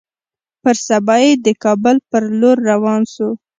پر سبا يې د کابل پر لور روان سو.